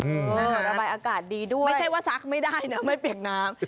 ระบายอากาศดีด้วยไม่ใช่ว่าซักไม่ได้นะไม่เปียกน้ำ